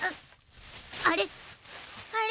あれ？